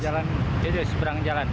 jalan ya itu seberang jalan